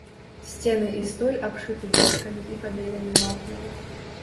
Сцены і столь абшыты дошкамі і пабелены вапнай.